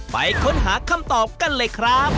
ไปค้นหาคำตอบกันเลยครับ